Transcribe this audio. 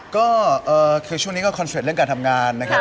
ก็คือช่วงนี้ก็คอนเซ็ตเรื่องการทำงานนะครับ